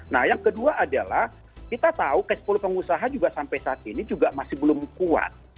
nah yang kedua adalah kita tahu cash flow pengusaha juga sampai saat ini juga masih belum kuat